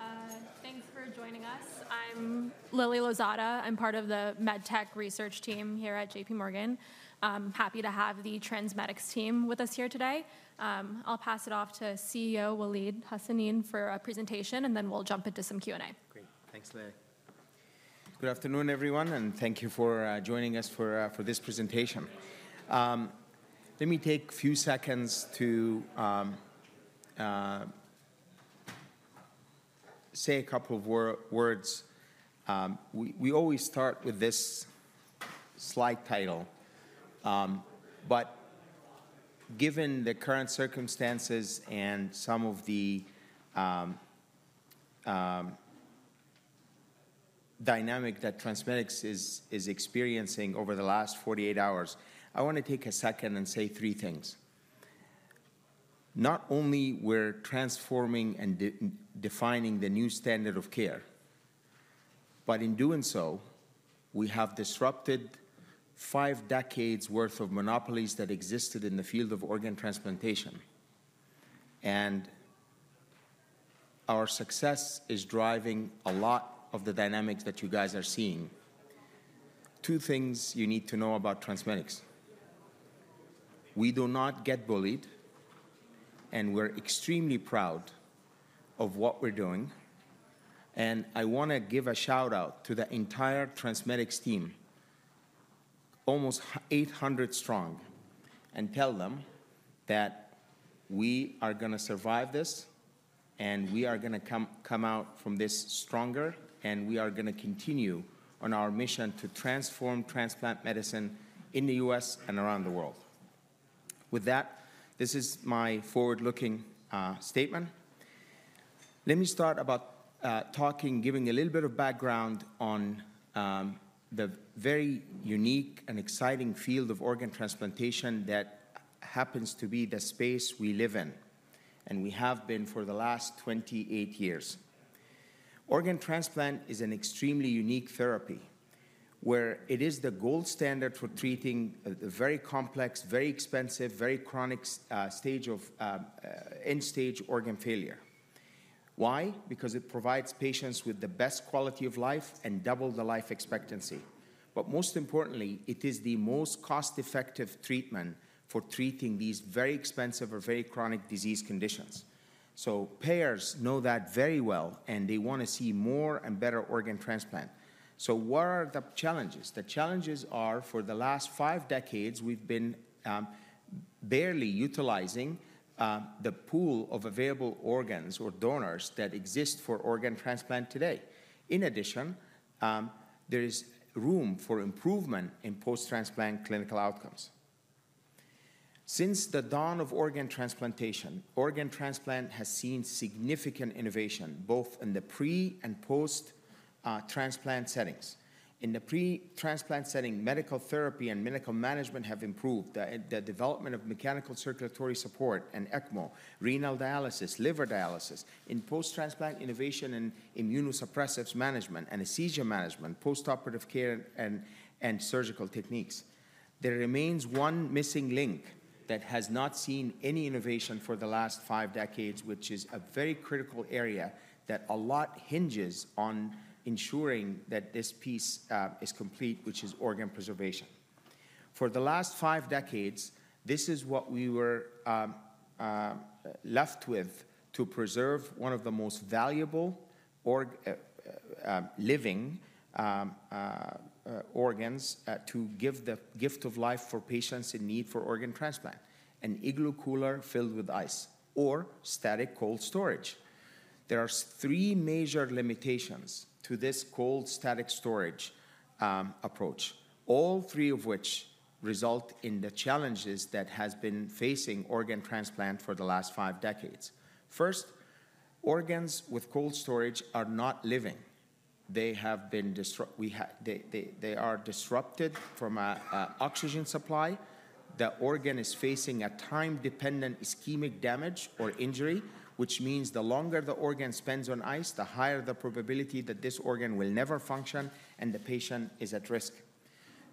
All right. Hey, everyone. Thanks for joining us. I'm Lilly Lozada. I'm part of the MedTech Research Team here at J.P. Morgan. I'm happy to have the TransMedics Team with us here today. I'll pass it off to CEO Waleed Hassanein for a presentation, and then we'll jump into some Q&A. Great. Thanks, Lilly. Good afternoon, everyone, and thank you for joining us for this presentation. Let me take a few seconds to say a couple of words. We always start with this slide title, but given the current circumstances and some of the dynamic that TransMedics is experiencing over the last 48 hours, I want to take a second and say three things. Not only were we transforming and defining the new standard of care, but in doing so, we have disrupted five decades' worth of monopolies that existed in the field of organ transplantation, and our success is driving a lot of the dynamics that you guys are seeing. Two things you need to know about TransMedics: we do not get bullied, and we're extremely proud of what we're doing. I want to give a shout-out to the entire TransMedics team, almost 800 strong, and tell them that we are going to survive this, and we are going to come out from this stronger, and we are going to continue on our mission to transform transplant medicine in the U.S. and around the world. With that, this is my forward-looking statement. Let me start by talking, giving a little bit of background on the very unique and exciting field of organ transplantation that happens to be the space we live in, and we have been for the last 28 years. Organ transplant is an extremely unique therapy where it is the gold standard for treating a very complex, very expensive, very chronic end-stage organ failure. Why? Because it provides patients with the best quality of life and double the life expectancy. But most importantly, it is the most cost-effective treatment for treating these very expensive or very chronic disease conditions. So payers know that very well, and they want to see more and better organ transplant. So what are the challenges? The challenges are, for the last five decades, we've been barely utilizing the pool of available organs or donors that exist for organ transplant today. In addition, there is room for improvement in post-transplant clinical outcomes. Since the dawn of organ transplantation, organ transplant has seen significant innovation, both in the pre- and post-transplant settings. In the pre-transplant setting, medical therapy and medical management have improved: the development of mechanical circulatory support and ECMO, renal dialysis, liver dialysis, in post-transplant, innovation in immunosuppressive management, anesthesia management, postoperative care, and surgical techniques. There remains one missing link that has not seen any innovation for the last five decades, which is a very critical area that a lot hinges on ensuring that this piece is complete, which is organ preservation. For the last five decades, this is what we were left with: to preserve one of the most valuable living organs, to give the gift of life for patients in need for organ transplant, an Igloo cooler filled with ice or static cold storage. There are three major limitations to this cold static storage approach, all three of which result in the challenges that have been facing organ transplant for the last five decades. First, organs with cold storage are not living. They are disrupted from an oxygen supply. The organ is facing a time-dependent ischemic damage or injury, which means the longer the organ spends on ice, the higher the probability that this organ will never function, and the patient is at risk.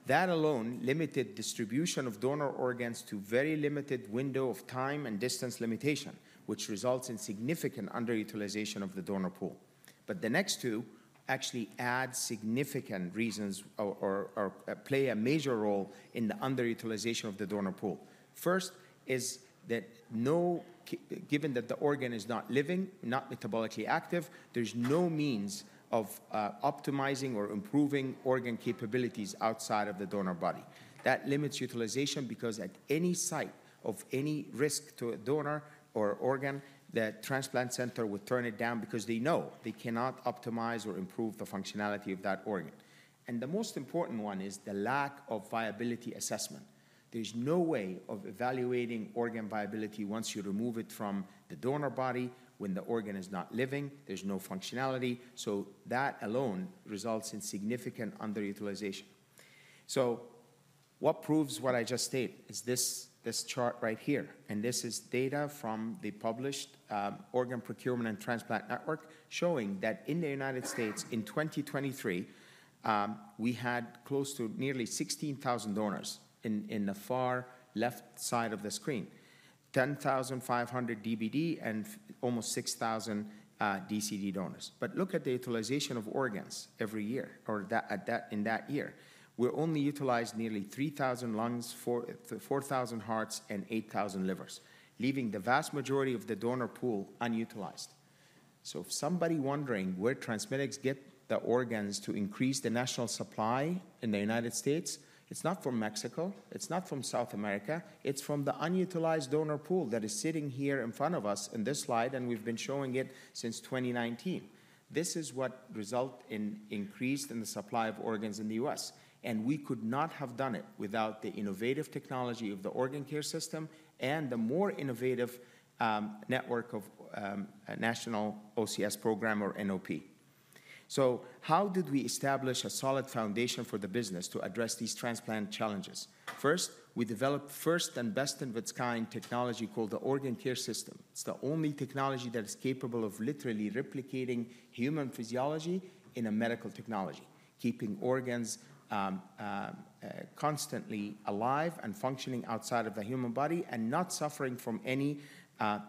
That alone limited distribution of donor organs to a very limited window of time and distance limitation, which results in significant underutilization of the donor pool. But the next two actually add significant reasons or play a major role in the underutilization of the donor pool. First is that, given that the organ is not living, not metabolically active, there's no means of optimizing or improving organ capabilities outside of the donor body. That limits utilization because at any site of any risk to a donor or organ, the transplant center would turn it down because they know they cannot optimize or improve the functionality of that organ. The most important one is the lack of viability assessment. There's no way of evaluating organ viability once you remove it from the donor body. When the organ is not living, there's no functionality. So that alone results in significant underutilization. What proves what I just stated is this chart right here. This is data from the published Organ Procurement and Transplant Network showing that in the United States, in 2023, we had close to nearly 16,000 donors in the far left side of the screen, 10,500 DBD and almost 6,000 DCD donors. Look at the utilization of organs every year or in that year. We only utilized nearly 3,000 lungs, 4,000 hearts, and 8,000 livers, leaving the vast majority of the donor pool unutilized. So if somebody is wondering where TransMedics gets the organs to increase the national supply in the United States, it's not from Mexico. It's not from South America. It's from the unutilized donor pool that is sitting here in front of us in this slide, and we've been showing it since 2019. This is what resulted in an increase in the supply of organs in the U.S., and we could not have done it without the innovative technology of the Organ Care System and the more innovative network of the National OCS Program or NOP. So how did we establish a solid foundation for the business to address these transplant challenges? First, we developed first and best in its kind technology called the Organ Care System. It's the only technology that is capable of literally replicating human physiology in a medical technology, keeping organs constantly alive and functioning outside of the human body and not suffering from any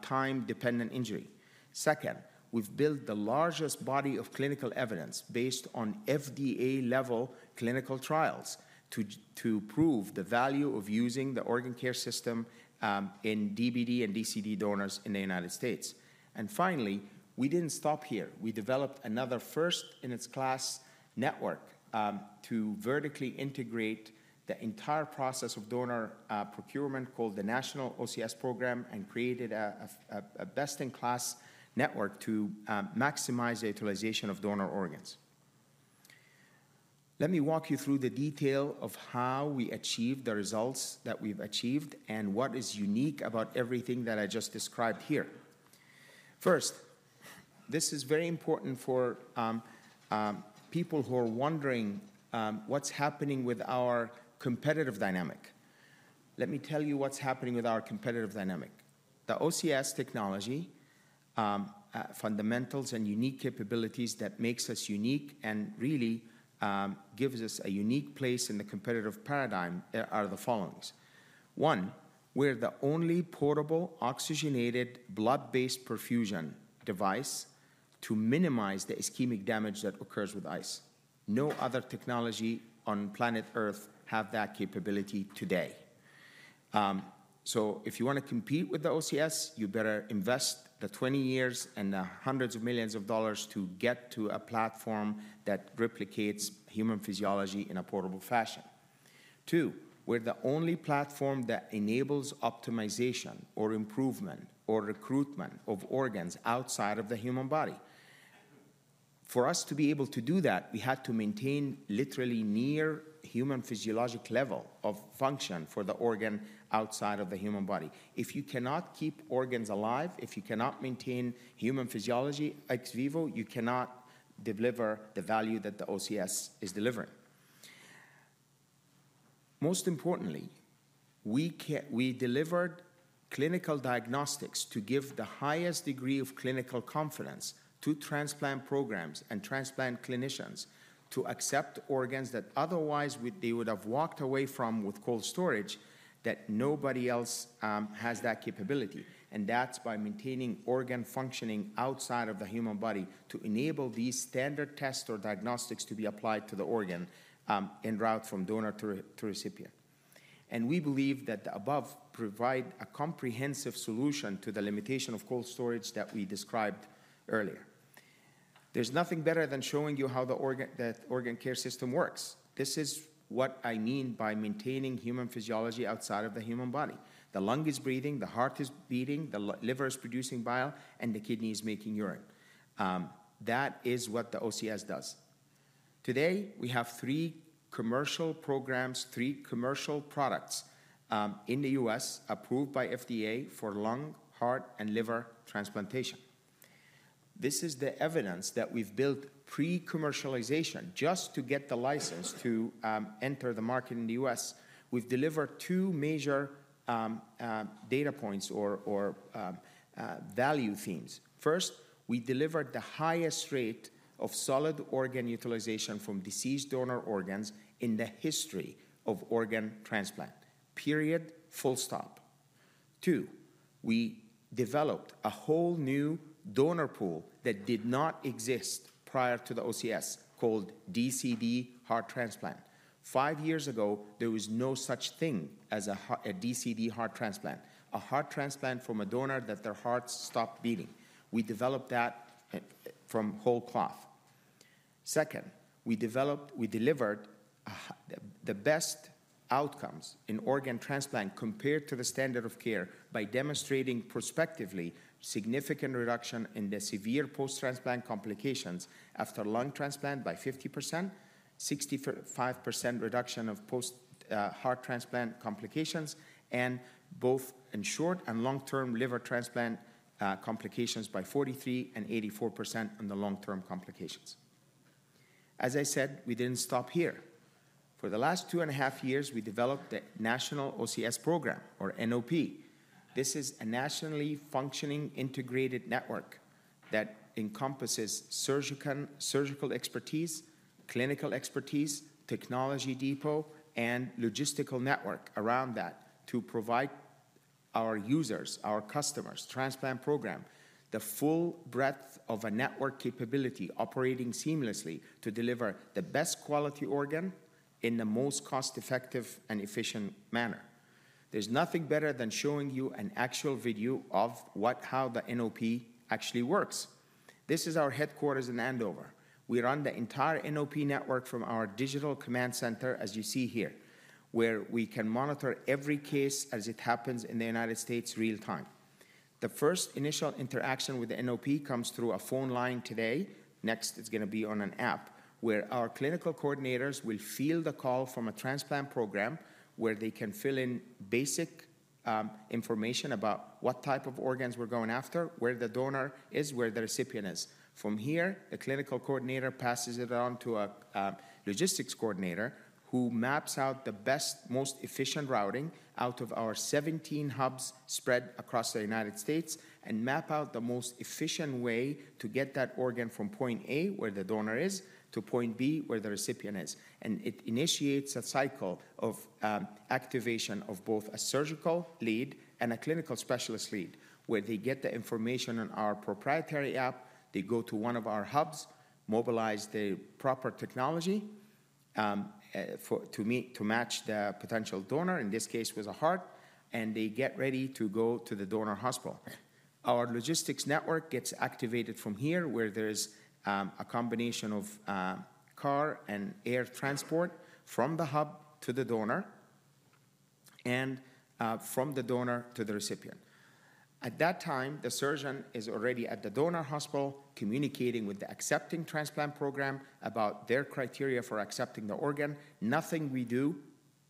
time-dependent injury. Second, we've built the largest body of clinical evidence based on FDA-level clinical trials to prove the value of using the Organ Care System in DBD and DCD donors in the United States, and finally, we didn't stop here. We developed another first-in-its-class network to vertically integrate the entire process of donor procurement called the National OCS Program and created a best-in-class network to maximize the utilization of donor organs. Let me walk you through the detail of how we achieved the results that we've achieved and what is unique about everything that I just described here. First, this is very important for people who are wondering what's happening with our competitive dynamic. Let me tell you what's happening with our competitive dynamic. The OCS technology, fundamentals and unique capabilities that make us unique and really give us a unique place in the competitive paradigm are the following: One, we're the only portable oxygenated blood-based perfusion device to minimize the ischemic damage that occurs with ice. No other technology on planet Earth has that capability today. So if you want to compete with the OCS, you better invest the 20 years and the hundreds of millions of dollars to get to a platform that replicates human physiology in a portable fashion. Two, we're the only platform that enables optimization or improvement or recruitment of organs outside of the human body. For us to be able to do that, we had to maintain literally near human physiologic level of function for the organ outside of the human body. If you cannot keep organs alive, if you cannot maintain human physiology ex vivo, you cannot deliver the value that the OCS is delivering. Most importantly, we delivered clinical diagnostics to give the highest degree of clinical confidence to transplant programs and transplant clinicians to accept organs that otherwise they would have walked away from with cold storage that nobody else has that capability. And that's by maintaining organ functioning outside of the human body to enable these standard tests or diagnostics to be applied to the organ en route from donor to recipient. And we believe that the above provides a comprehensive solution to the limitation of cold storage that we described earlier. There's nothing better than showing you how the organ care system works. This is what I mean by maintaining human physiology outside of the human body. The lung is breathing, the heart is beating, the liver is producing bile, and the kidneys are making urine. That is what the OCS does. Today, we have three commercial programs, three commercial products in the U.S. approved by FDA for lung, heart, and liver transplantation. This is the evidence that we've built pre-commercialization just to get the license to enter the market in the U.S. We've delivered two major data points or value themes. First, we delivered the highest rate of solid organ utilization from deceased donor organs in the history of organ transplant. Period. Full stop. Two, we developed a whole new donor pool that did not exist prior to the OCS called DCD heart transplant. Five years ago, there was no such thing as a DCD heart transplant, a heart transplant from a donor that their heart stopped beating. We developed that from whole cloth. Second, we delivered the best outcomes in organ transplant compared to the standard of care by demonstrating prospectively significant reduction in the severe post-transplant complications after lung transplant by 50%, 65% reduction of post-heart transplant complications, and both in short and long-term liver transplant complications by 43% and 84% in the long-term complications. As I said, we didn't stop here. For the last two and a half years, we developed the National OCS program or NOP. This is a nationally functioning integrated network that encompasses surgical expertise, clinical expertise, technology depot, and logistical network around that to provide our users, our customers, transplant program, the full breadth of a network capability operating seamlessly to deliver the best quality organ in the most cost-effective and efficient manner. There's nothing better than showing you an actual video of how the NOP actually works. This is our headquarters in Andover. We run the entire NOP network from our digital command center, as you see here, where we can monitor every case as it happens in the United States real-time. The first initial interaction with the NOP comes through a phone line today. Next, it's going to be on an app where our clinical coordinators will field the call from a transplant program where they can fill in basic information about what type of organs we're going after, where the donor is, where the recipient is. From here, the clinical coordinator passes it on to a logistics coordinator who maps out the best, most efficient routing out of our 17 hubs spread across the United States and maps out the most efficient way to get that organ from point A, where the donor is, to point B, where the recipient is. It initiates a cycle of activation of both a surgical lead and a clinical specialist lead where they get the information on our proprietary app. They go to one of our hubs, mobilize the proper technology to match the potential donor, in this case, with a heart, and they get ready to go to the donor hospital. Our logistics network gets activated from here where there is a combination of car and air transport from the hub to the donor and from the donor to the recipient. At that time, the surgeon is already at the donor hospital communicating with the accepting transplant program about their criteria for accepting the organ. Nothing we do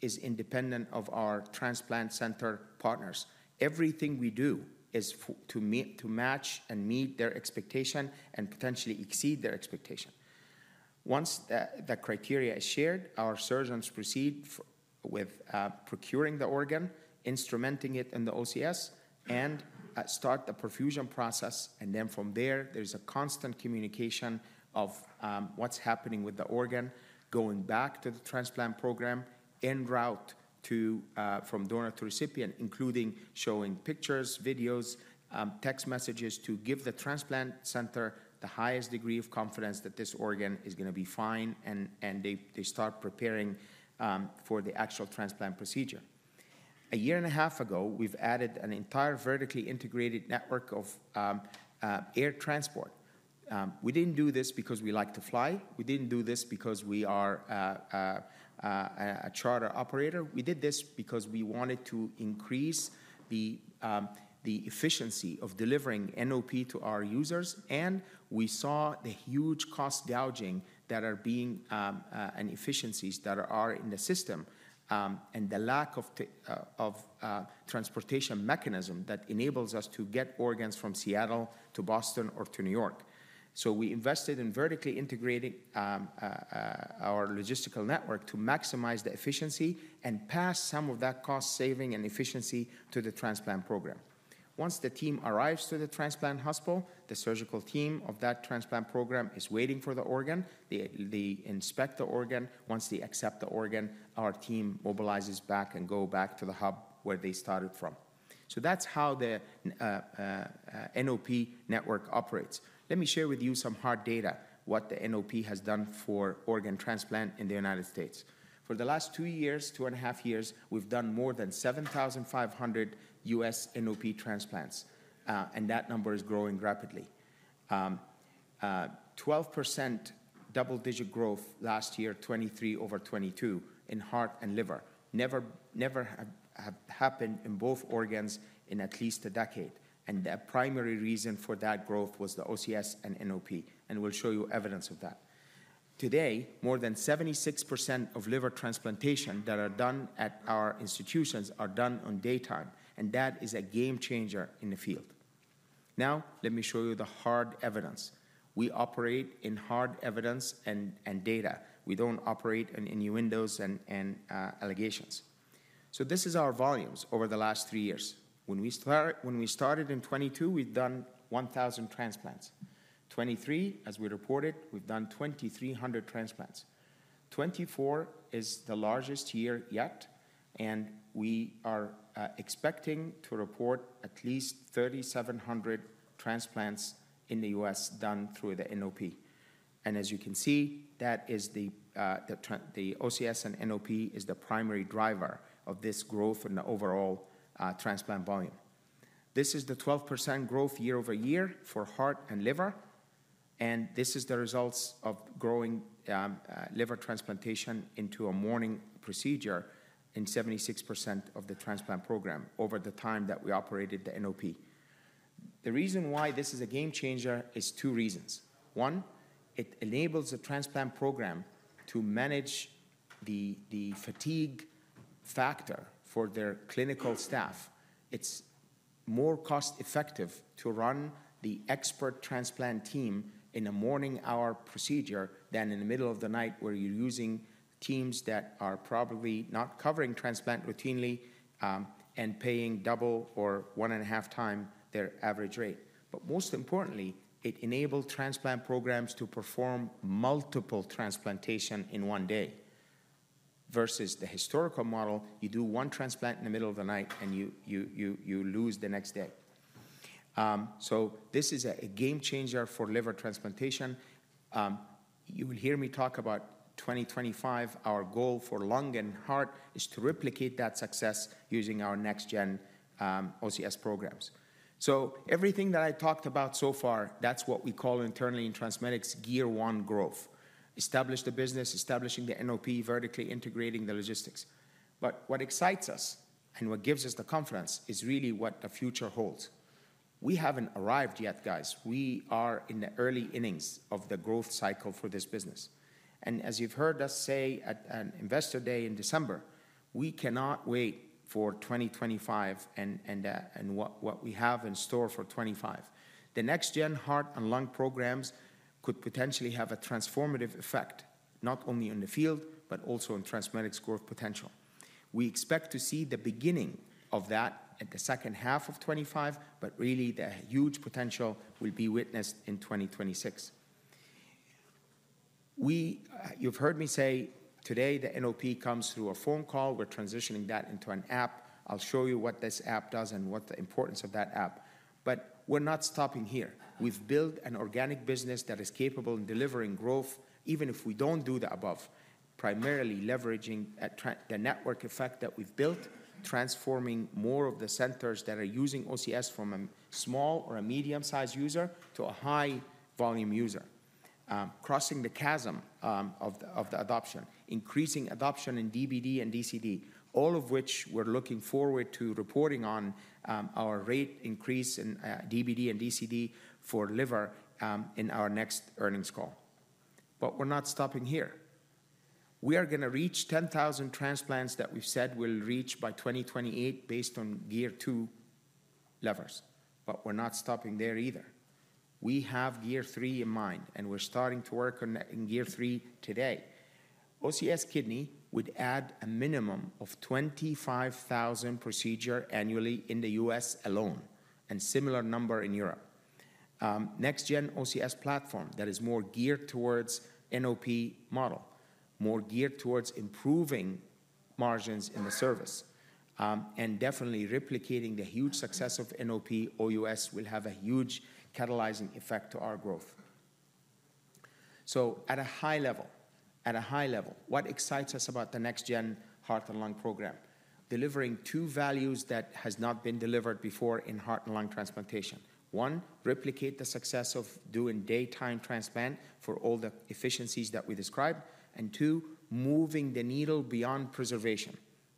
is independent of our transplant center partners. Everything we do is to match and meet their expectation and potentially exceed their expectation. Once the criteria is shared, our surgeons proceed with procuring the organ, instrumenting it in the OCS, and start the perfusion process. Then from there, there is a constant communication of what's happening with the organ, going back to the transplant program en route from donor to recipient, including showing pictures, videos, text messages to give the transplant center the highest degree of confidence that this organ is going to be fine, and they start preparing for the actual transplant procedure. A year and a half ago, we've added an entire vertically integrated network of air transport. We didn't do this because we like to fly. We didn't do this because we are a charter operator. We did this because we wanted to increase the efficiency of delivering NOP to our users. We saw the huge cost gouging and inefficiencies that are in the system and the lack of transportation mechanism that enables us to get organs from Seattle to Boston or to New York. So we invested in vertically integrating our logistical network to maximize the efficiency and pass some of that cost saving and efficiency to the transplant program. Once the team arrives to the transplant hospital, the surgical team of that transplant program is waiting for the organ. They inspect the organ. Once they accept the organ, our team mobilizes back and goes back to the hub where they started from. So that's how the NOP network operates. Let me share with you some hard data, what the NOP has done for organ transplant in the United States. For the last two years, two and a half years, we've done more than 7,500 U.S. NOP transplants. And that number is growing rapidly. 12% double-digit growth last year, 23 over 22 in heart and liver. Never happened in both organs in at least a decade. And the primary reason for that growth was the OCS and NOP. And we'll show you evidence of that. Today, more than 76% of liver transplantation that are done at our institutions are done on daytime. And that is a game changer in the field. Now, let me show you the hard evidence. We operate in hard evidence and data. We don't operate in any windows and allegations. So this is our volumes over the last three years. When we started in 2022, we've done 1,000 transplants. 23, as we reported, we've done 2,300 transplants. 24 is the largest year yet. And we are expecting to report at least 3,700 transplants in the U.S. done through the NOP. As you can see, the OCS and NOP is the primary driver of this growth in the overall transplant volume. This is the 12% growth year over year for heart and liver. This is the results of growing liver transplantation into a morning procedure in 76% of the transplant program over the time that we operated the NOP. The reason why this is a game changer is two reasons. One, it enables the transplant program to manage the fatigue factor for their clinical staff. It's more cost-effective to run the expert transplant team in a morning-hour procedure than in the middle of the night where you're using teams that are probably not covering transplant routinely and paying double or one and a half times their average rate. Most importantly, it enabled transplant programs to perform multiple transplantations in one day versus the historical model. You do one transplant in the middle of the night, and you lose the next day. So this is a game changer for liver transplantation. You will hear me talk about 2025. Our goal for lung and heart is to replicate that success using our next-gen OCS programs. So everything that I talked about so far, that's what we call internally in TransMedics, Gear 1 growth. Establish the business, establishing the NOP, vertically integrating the logistics. But what excites us and what gives us the confidence is really what the future holds. We haven't arrived yet, guys. We are in the early innings of the growth cycle for this business. And as you've heard us say at Investor Day in December, we cannot wait for 2025 and what we have in store for 25. The next-gen heart and lung programs could potentially have a transformative effect, not only in the field, but also in TransMedics' growth potential. We expect to see the beginning of that at the second half of 25, but really, the huge potential will be witnessed in 2026. You've heard me say today the NOP comes through a phone call. We're transitioning that into an app. I'll show you what this app does and what the importance of that app, but we're not stopping here. We've built an organic business that is capable of delivering growth, even if we don't do the above, primarily leveraging the network effect that we've built, transforming more of the centers that are using OCS from a small or a medium-sized user to a high-volume user, crossing the chasm of the adoption, increasing adoption in DBD and DCD, all of which we're looking forward to reporting on our rate increase in DBD and DCD for liver in our next earnings call. But we're not stopping here. We are going to reach 10,000 transplants that we've said we'll reach by 2028 based on Gear 2 levers. But we're not stopping there either. We have Gear 3 in mind, and we're starting to work in Gear 3 today. OCS Kidney would add a minimum of 25,000 procedures annually in the U.S. alone and a similar number in Europe. Next-gen OCS platform that is more geared towards NOP model, more geared towards improving margins in the service, and definitely replicating the huge success of NOP. OUS will have a huge catalyzing effect to our growth. So at a high level, what excites us about the next-gen heart and lung program? Delivering two values that have not been delivered before in heart and lung transplantation. One, replicate the success of doing daytime transplant for all the efficiencies that we described. And two, moving the needle beyond preservation.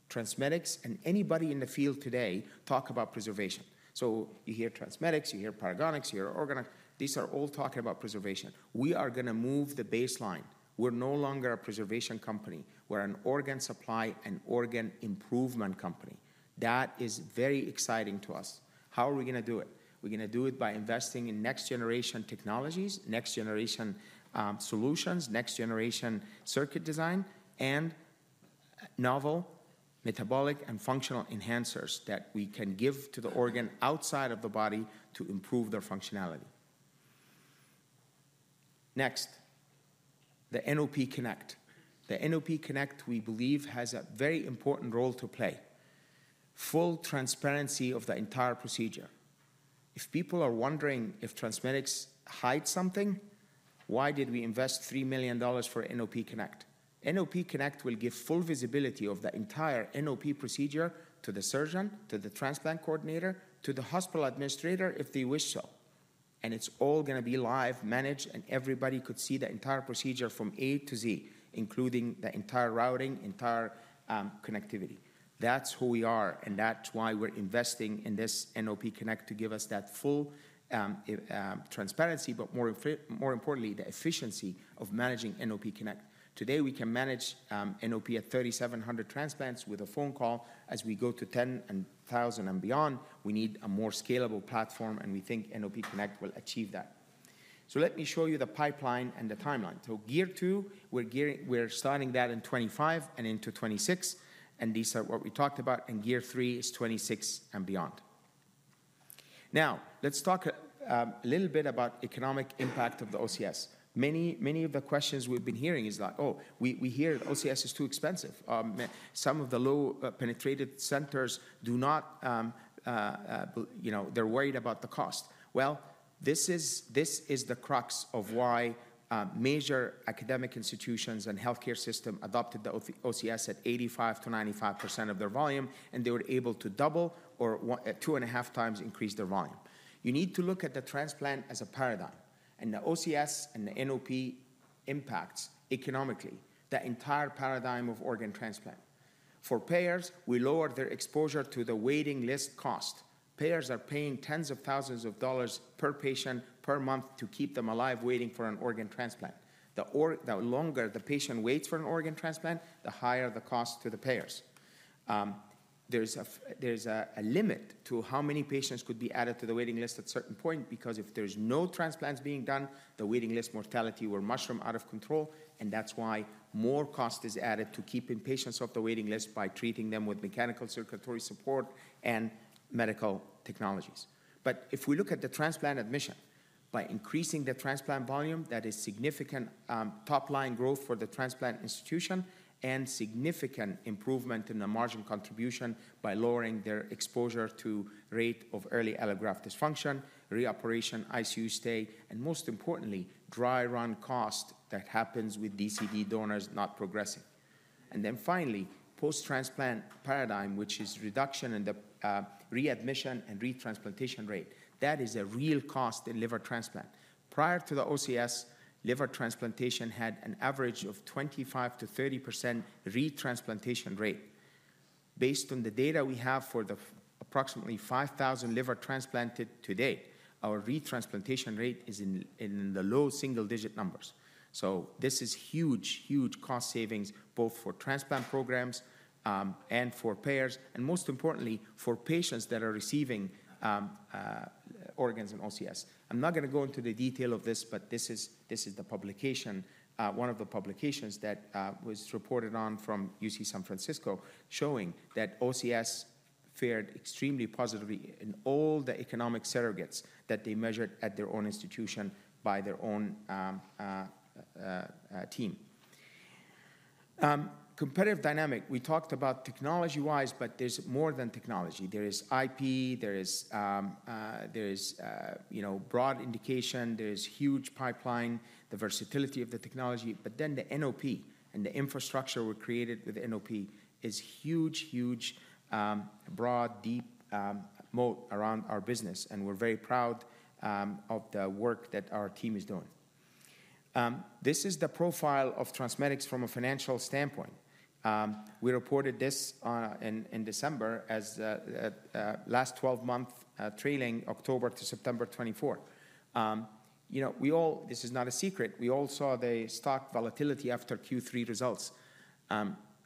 TransMedics and anybody in the field today talk about preservation. So you hear TransMedics, you hear Paragonix, you hear OrganOx. These are all talking about preservation. We are going to move the baseline. We're no longer a preservation company. We're an organ supply and organ improvement company. That is very exciting to us. How are we going to do it? We're going to do it by investing in next-generation technologies, next-generation solutions, next-generation circuit design, and novel metabolic and functional enhancers that we can give to the organ outside of the body to improve their functionality. Next, the NOP Connect. The NOP Connect, we believe, has a very important role to play. Full transparency of the entire procedure. If people are wondering if TransMedics hides something, why did we invest $3 million for NOP Connect? NOP Connect will give full visibility of the entire NOP procedure to the surgeon, to the transplant coordinator, to the hospital administrator if they wish so, and it's all going to be live managed, and everybody could see the entire procedure from A-Z, including the entire routing, entire connectivity. That's who we are, and that's why we're investing in this NOP Connect to give us that full transparency, but more importantly, the efficiency of managing NOP Connect. Today, we can manage NOP at 3,700 transplants with a phone call. As we go to 10,000 and beyond, we need a more scalable platform, and we think NOP Connect will achieve that. So let me show you the pipeline and the timeline. So gear two, we're starting that in 25 and into 26. And these are what we talked about. And gear 3 is 2026 and beyond. Now, let's talk a little bit about the economic impact of the OCS. Many of the questions we've been hearing is that, "Oh, we hear OCS is too expensive. Some of the low-penetrated centers do not; they're worried about the cost." Well, this is the crux of why major academic institutions and healthcare systems adopted the OCS at 85%-95% of their volume, and they were able to double or two and a half times increase their volume. You need to look at the transplant as a paradigm, and the OCS and the NOP impacts economically the entire paradigm of organ transplant. For payers, we lowered their exposure to the waiting list cost. Payers are paying tens of thousands of dollars per patient per month to keep them alive waiting for an organ transplant. The longer the patient waits for an organ transplant, the higher the cost to the payers. There's a limit to how many patients could be added to the waiting list at a certain point because if there's no transplants being done, the waiting list mortality will mushroom out of control. And that's why more cost is added to keeping patients off the waiting list by treating them with mechanical circulatory support and medical technologies. But if we look at the transplant admission, by increasing the transplant volume, that is significant top-line growth for the transplant institution and significant improvement in the margin contribution by lowering their exposure to the rate of early allograft dysfunction, reoperation, ICU stay, and most importantly, dry-run cost that happens with DCD donors not progressing. And then finally, post-transplant paradigm, which is reduction in the readmission and retransplantation rate. That is a real cost in liver transplant. Prior to the OCS, liver transplantation had an average of 25%-30% retransplantation rate. Based on the data we have for the approximately 5,000 liver transplanted today, our retransplantation rate is in the low single-digit numbers. So this is huge, huge cost savings both for transplant programs and for payers, and most importantly, for patients that are receiving organs in OCS. I'm not going to go into the detail of this, but this is the publication, one of the publications that was reported on from UC San Francisco, showing that OCS fared extremely positively in all the economic surrogates that they measured at their own institution by their own team. Competitive dynamic. We talked about technology-wise, but there's more than technology. There is IP. There is broad indication. There is huge pipeline, the versatility of the technology. But then the NOP and the infrastructure we created with NOP is huge, huge, broad, deep moat around our business. And we're very proud of the work that our team is doing. This is the profile of TransMedics from a financial standpoint. We reported this in December as the last 12-month trailing, October to September 24. This is not a secret. We all saw the stock volatility after Q3 results.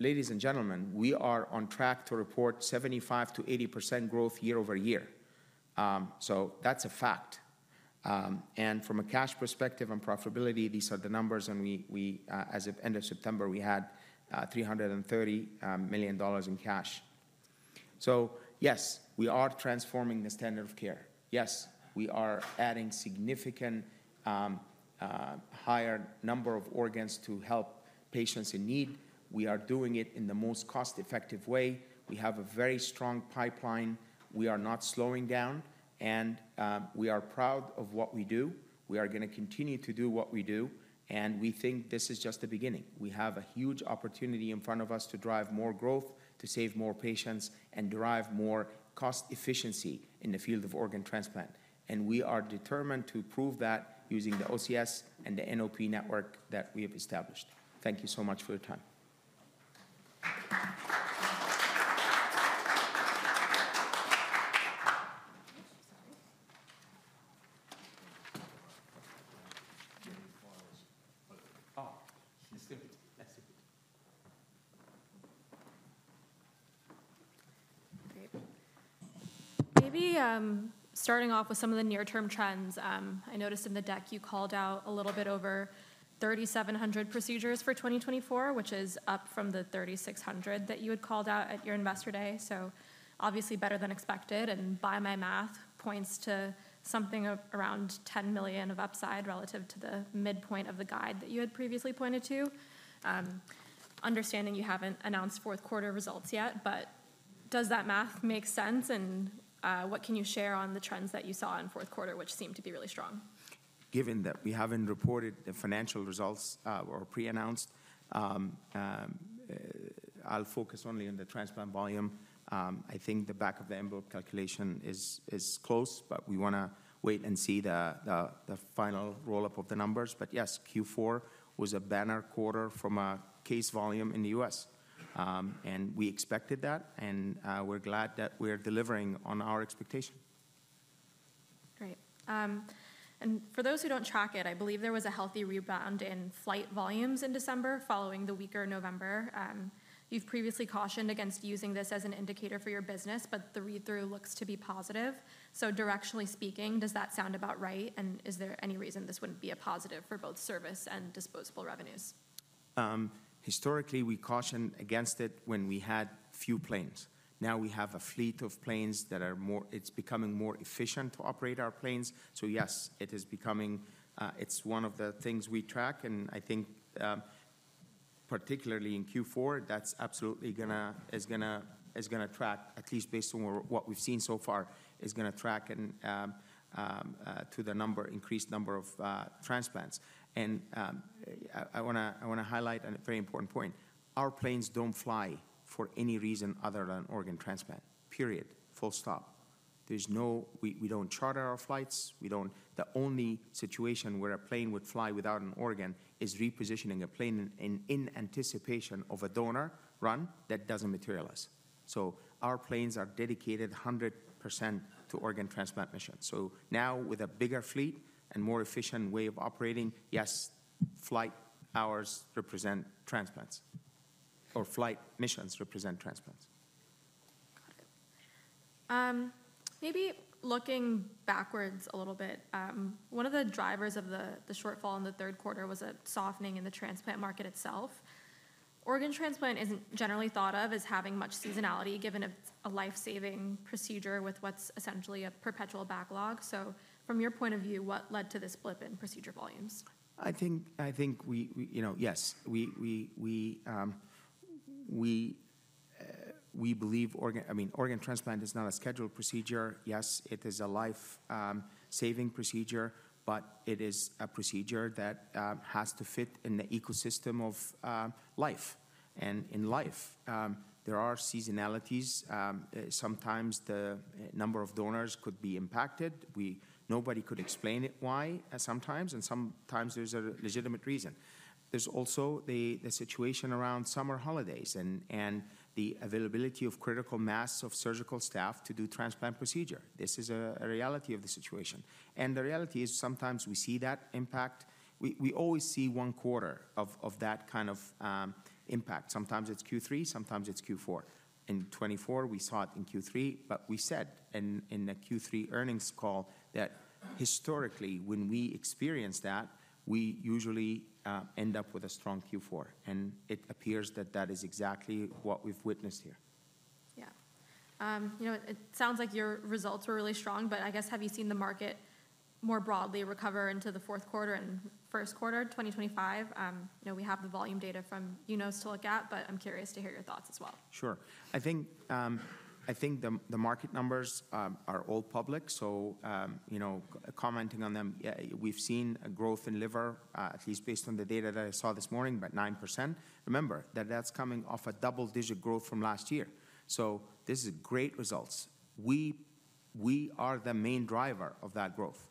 Ladies and gentlemen, we are on track to report 75%-80% growth year over year. So that's a fact. And from a cash perspective and profitability, these are the numbers. And as of end of September, we had $330 million in cash. So yes, we are transforming the standard of care. Yes, we are adding a significantly higher number of organs to help patients in need. We are doing it in the most cost-effective way. We have a very strong pipeline. We are not slowing down, and we are proud of what we do. We are going to continue to do what we do, and we think this is just the beginning. We have a huge opportunity in front of us to drive more growth, to save more patients, and derive more cost efficiency in the field of organ transplant, and we are determined to prove that using the OCS and the NOP network that we have established. Thank you so much for your time. Great. Maybe starting off with some of the near-term trends. I noticed in the deck you called out a little bit over 3,700 procedures for 2024, which is up from the 3,600 that you had called out at your Investor Day, so obviously better than expected. By my math, points to something around $10 million of upside relative to the midpoint of the guide that you had previously pointed to. Understanding you haven't announced fourth-quarter results yet, but does that math make sense? And what can you share on the trends that you saw in fourth quarter, which seemed to be really strong? Given that we haven't reported the financial results or pre-announced, I'll focus only on the transplant volume. I think the back-of-the-envelope calculation is close, but we want to wait and see the final roll-up of the numbers. But yes, Q4 was a banner quarter from a case volume in the U.S. And we expected that. And we're glad that we're delivering on our expectation. Great. And for those who don't track it, I believe there was a healthy rebound in flight volumes in December following the weaker November. You've previously cautioned against using this as an indicator for your business, but the read-through looks to be positive. So directionally speaking, does that sound about right? And is there any reason this wouldn't be a positive for both service and disposable revenues? Historically, we cautioned against it when we had few planes. Now we have a fleet of planes that are more efficient to operate. So yes, it is becoming one of the things we track. And I think particularly in Q4, that's absolutely going to track, at least based on what we've seen so far, to the increased number of transplants. And I want to highlight a very important point. Our planes don't fly for any reason other than organ transplant. Period. Full stop. There's no, we don't charter our flights. The only situation where a plane would fly without an organ is repositioning a plane in anticipation of a donor run that doesn't materialize. So our planes are dedicated 100% to organ transplant missions. So now with a bigger fleet and more efficient way of operating, yes, flight hours represent transplants or flight missions represent transplants. Got it. Maybe looking backwards a little bit, one of the drivers of the shortfall in the third quarter was a softening in the transplant market itself. Organ transplant isn't generally thought of as having much seasonality given a lifesaving procedure with what's essentially a perpetual backlog. So from your point of view, what led to the split in procedure volumes? I think yes, we believe organ I mean, organ transplant is not a scheduled procedure. Yes, it is a lifesaving procedure, but it is a procedure that has to fit in the ecosystem of life. And in life, there are seasonalities. Sometimes the number of donors could be impacted. Nobody could explain it why sometimes. And sometimes there's a legitimate reason. There's also the situation around summer holidays and the availability of critical mass of surgical staff to do transplant procedure. This is a reality of the situation. And the reality is sometimes we see that impact. We always see one quarter of that kind of impact. Sometimes it's Q3. Sometimes it's Q4. In 24, we saw it in Q3. But we said in a Q3 earnings call that historically, when we experience that, we usually end up with a strong Q4. And it appears that that is exactly what we've witnessed here. Yeah. It sounds like your results were really strong. But I guess, have you seen the market more broadly recover into the fourth quarter and first quarter of 2025? We have the volume data from UNOS to look at, but I'm curious to hear your thoughts as well. Sure. I think the market numbers are all public. So commenting on them, we've seen growth in liver, at least based on the data that I saw this morning, about 9%. Remember that that's coming off a double-digit growth from last year. So this is great results. We are the main driver of that growth.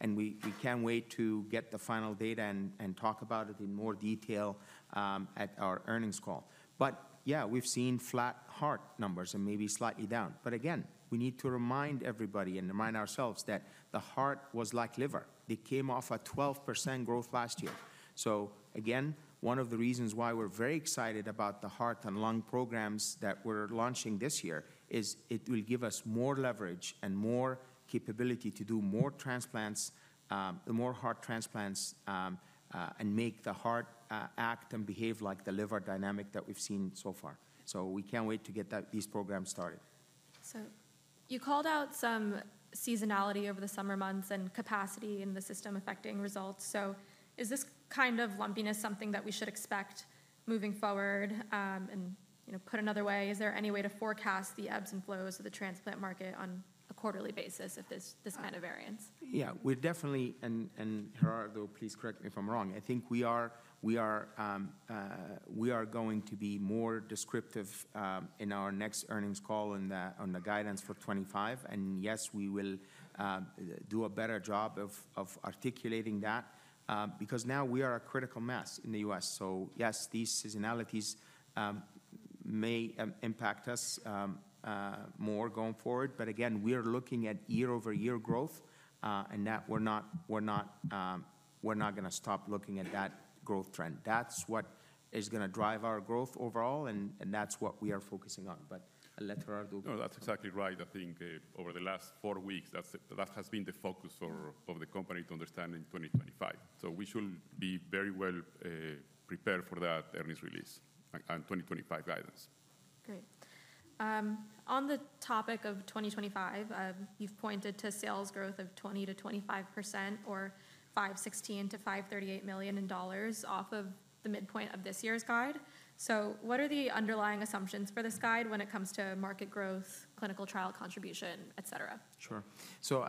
And we can't wait to get the final data and talk about it in more detail at our earnings call. But yeah, we've seen flat heart numbers and maybe slightly down. But again, we need to remind everybody and remind ourselves that the heart was like liver. They came off a 12% growth last year. So again, one of the reasons why we're very excited about the heart and lung programs that we're launching this year is it will give us more leverage and more capability to do more transplants, more heart transplants, and make the heart act and behave like the liver dynamic that we've seen so far. So we can't wait to get these programs started. So you called out some seasonality over the summer months and capacity in the system affecting results. So is this kind of lumpiness something that we should expect moving forward and put another way? Is there any way to forecast the ebbs and flows of the transplant market on a quarterly basis if there's this kind of variance? Yeah. And Gerardo, please correct me if I'm wrong. I think we are going to be more descriptive in our next earnings call on the guidance for 2025. And yes, we will do a better job of articulating that because now we are a critical mass in the U.S. So yes, these seasonalities may impact us more going forward. But again, we are looking at year-over-year growth. And we're not going to stop looking at that growth trend. That's what is going to drive our growth overall. And that's what we are focusing on. But I'll let Gerardo. No, that's exactly right. I think over the last four weeks, that has been the focus of the company to understand in 2025. So we should be very well prepared for that earnings release and 2025 guidance. Great. On the topic of 2025, you've pointed to sales growth of 20%-25% or $516-$538 million off of the midpoint of this year's guide. So what are the underlying assumptions for this guide when it comes to market growth, clinical trial contribution, et cetera? Sure. So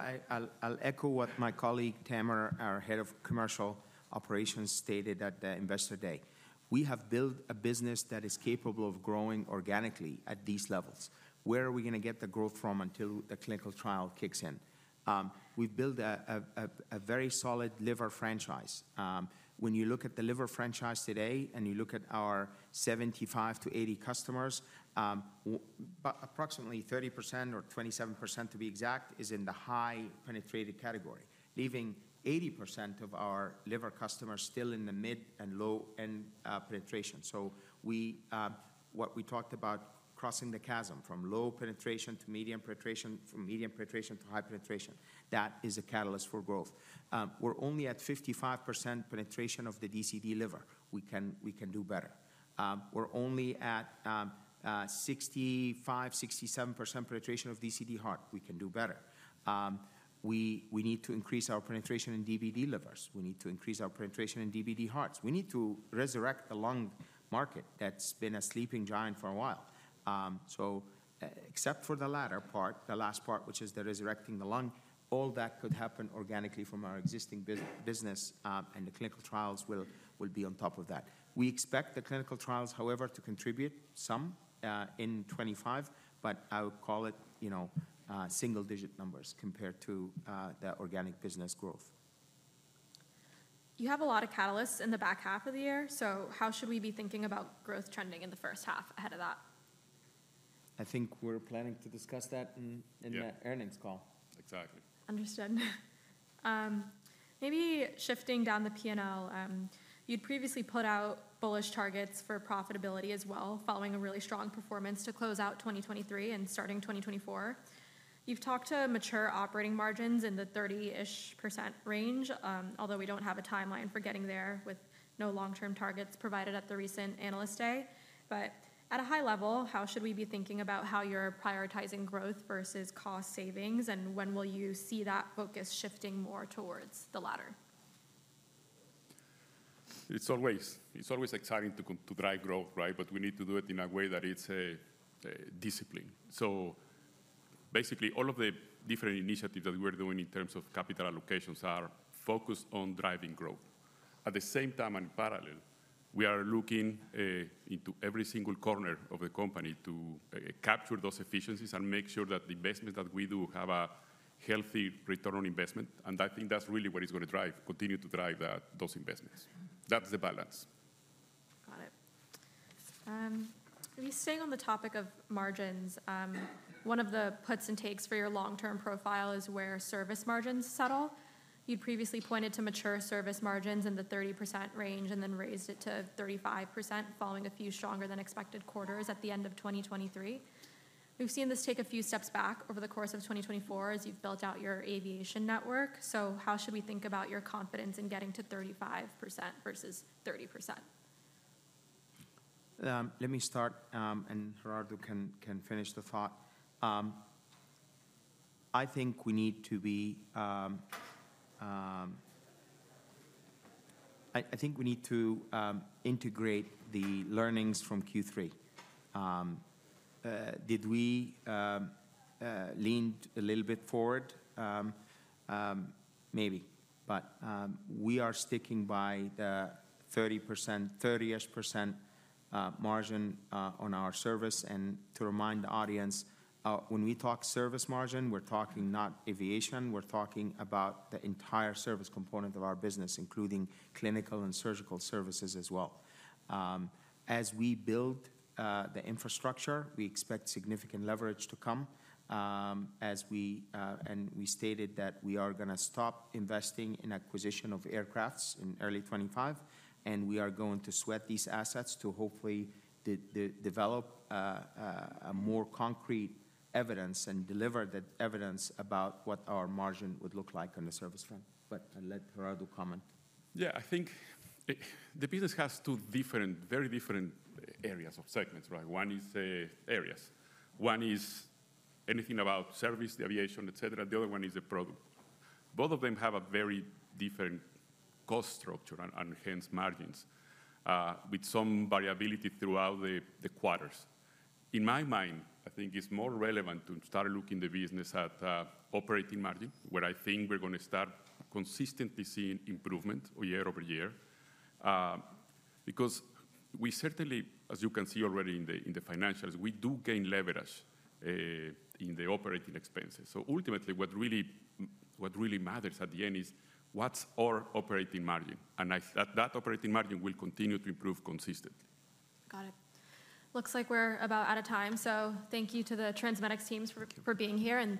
I'll echo what my colleague Tamer, our head of commercial operations, stated at the Investor Day. We have built a business that is capable of growing organically at these levels. Where are we going to get the growth from until the clinical trial kicks in? We've built a very solid liver franchise. When you look at the liver franchise today and you look at our 75-80 customers, approximately 30% or 27%, to be exact, is in the high-penetrated category, leaving 80% of our liver customers still in the mid and low-end penetration. What we talked about crossing the chasm from low penetration to medium penetration, from medium penetration to high penetration, that is a catalyst for growth. We're only at 55% penetration of the DCD liver. We can do better. We're only at 65%-67% penetration of DCD heart. We need to increase our penetration in DBD livers. We need to increase our penetration in DBD hearts. We need to resurrect the lung market that's been a sleeping giant for a while. Except for the latter part, the last part, which is the resurrecting the lung, all that could happen organically from our existing business. The clinical trials will be on top of that. We expect the clinical trials, however, to contribute some in 2025. But I would call it single-digit numbers compared to the organic business growth. You have a lot of catalysts in the back half of the year. So how should we be thinking about growth trending in the first half ahead of that? I think we're planning to discuss that in the earnings call. Exactly. Understood. Maybe shifting down the P&L, you'd previously put out bullish targets for profitability as well following a really strong performance to close out 2023 and starting 2024. You've talked to mature operating margins in the 30-ish% range, although we don't have a timeline for getting there with no long-term targets provided at the recent Analyst Day. But at a high level, how should we be thinking about how you're prioritizing growth versus cost savings? And when will you see that focus shifting more towards the latter? It's always exciting to drive growth, right? But we need to do it in a way that it's a discipline. So basically, all of the different initiatives that we're doing in terms of capital allocations are focused on driving growth. At the same time, in parallel, we are looking into every single corner of the company to capture those efficiencies and make sure that the investments that we do have a healthy return on investment. And I think that's really what it's going to drive, continue to drive those investments. That's the balance. Got it. Maybe staying on the topic of margins, one of the puts and takes for your long-term profile is where service margins settle. You'd previously pointed to mature service margins in the 30% range and then raised it to 35% following a few stronger-than-expected quarters at the end of 2023. We've seen this take a few steps back over the course of 2024 as you've built out your aviation network. So how should we think about your confidence in getting to 35% versus 30%? Let me start, and Gerardo can finish the thought. I think we need to integrate the learnings from Q3. Did we lean a little bit forward? Maybe. But we are sticking by the 30-ish% margin on our service. And to remind the audience, when we talk service margin, we're talking not aviation. We're talking about the entire service component of our business, including clinical and surgical services as well. As we build the infrastructure, we expect significant leverage to come. And we stated that we are going to stop investing in acquisition of aircrafts in early 2025. And we are going to sweat these assets to hopefully develop more concrete evidence and deliver that evidence about what our margin would look like on the service front. But I'll let Gerardo comment. Yeah. I think the business has two different, very different areas of segments, right? One is anything about service, the aviation, et cetera. The other one is the product. Both of them have a very different cost structure and hence margins with some variability throughout the quarters. In my mind, I think it's more relevant to start looking at the business at operating margin, where I think we're going to start consistently seeing improvement year over year. Because we certainly, as you can see already in the financials, we do gain leverage in the operating expenses. So ultimately, what really matters at the end is what's our operating margin. And that operating margin will continue to improve consistently. Got it. Looks like we're about out of time. So thank you to the TransMedics teams for being here. And.